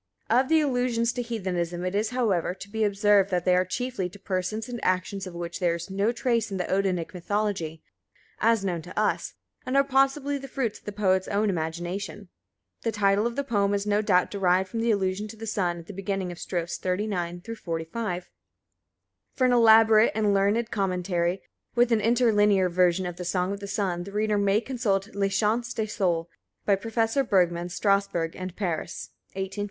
Of the allusions to Heathenism it is, however, to be observed that they are chiefly to persons and actions of which there is no trace in the Odinic mythology, as known to us, and are possibly the fruits of the poet's own imagination. The title of the poem is no doubt derived from the allusion to the Sun at the beginning of strophes 39 45. For an elaborate and learned commentary, with an interlinear version of "the Song of the Sun," the reader may consult "Les Chants de Sol," by Professor Bergmann, Strasbourg & Paris, 1858. 1.